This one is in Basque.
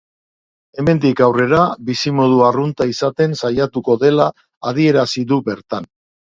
Hemendik aurrera bizimodu arrunta izaten saiatuko dela adierazi du bertan.